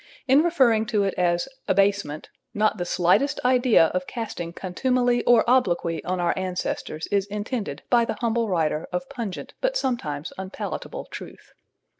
In referring to it as "abasement," not the slightest idea of casting contumely or obloquy on our ancestors is intended by the humble writer of pungent but sometimes unpalatable truth.